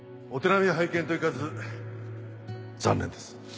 お手並み拝見といかず残念です